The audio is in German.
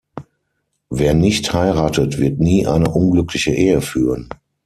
Wer nicht heiratet, wird nie eine unglückliche Ehe führen.